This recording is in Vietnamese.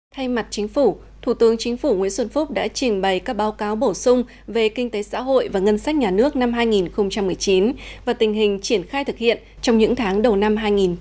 thay mặt chính phủ thủ tướng chính phủ nguyễn xuân phúc đã trình bày các báo cáo bổ sung về kinh tế xã hội và ngân sách nhà nước năm hai nghìn một mươi chín và tình hình triển khai thực hiện trong những tháng đầu năm hai nghìn hai mươi